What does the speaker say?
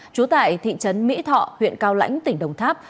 trú tại thị trấn mỹ thọ huyện cao lãnh tỉnh đồng tháp